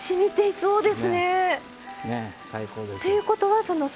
そうです。